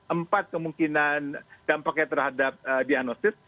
empat kemungkinan dampaknya terhadap diagnosis